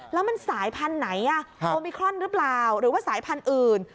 แล้วมันสายพันธุ์ไหนโอมิครอนหรือเปล่าหรือว่าสายพันธุ์อื่น